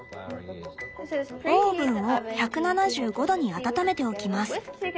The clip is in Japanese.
「オーブンを１７５℃に温めておきます。